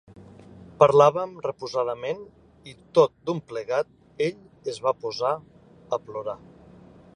Parlàvem reposadament i, tot d'un plegat, ell es va posar a plorar.